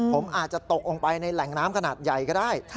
ผมอาจจะตกลงไปในแหล่งน้ำขนาดใหญ่ก็ได้